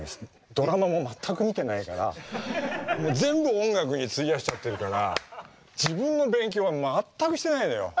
ドラマも全く見てないから全部音楽に費やしちゃってるから自分の勉強は全くしてないのよ。